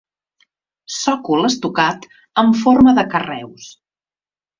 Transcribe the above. Sòcol estucat en forma de carreus.